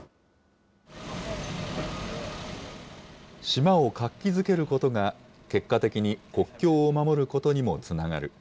島を活気づけることが、結果的に国境を守ることにもつながる。